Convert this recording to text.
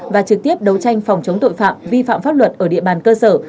và trực tiếp đấu tranh phòng chống tội phạm vi phạm pháp luật ở địa bàn cơ sở